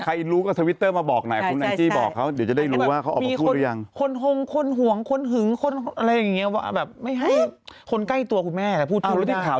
ใครรู้ก็ทวิตเตอร์มาบอกหน่อยคุณแอนจี้บอกเขา